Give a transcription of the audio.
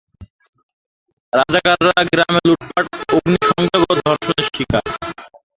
রাজাকাররা গ্রামে লুটপাট, অগ্নিসংযোগ ও ধর্ষণের শিকার।